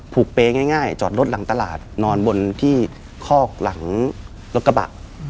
ผูกเป๊ะง่ายตอนรถหลังตลาดนอนที่คอกหลังรถกระบะ